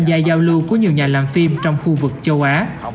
giao lưu của nhiều nhà làm phim trong khu vực châu á